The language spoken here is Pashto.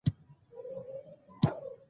حضرت ابوبکر صديق څوک وو؟